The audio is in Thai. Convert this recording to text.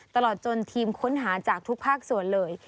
ตลอดจนทีมค้นหาจากทุกภาคส่วนเลย